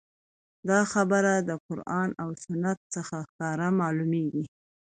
دا خبره د قران او سنت څخه ښکاره معلوميږي